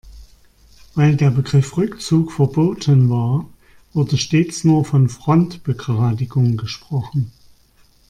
Weil der Begriff Rückzug verboten war, wurde stets nur von Frontbegradigung gesprochen.